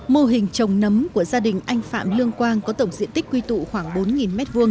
mô hình trồng nấm của gia đình anh phạm lương quang có tổng diện tích quy tụ khoảng bốn m hai